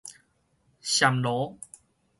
暹羅